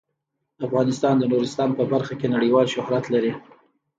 افغانستان د نورستان په برخه کې نړیوال شهرت لري.